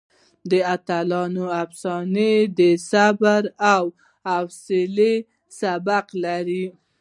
د اتلانو افسانه د صبر او حوصلې سبق لري.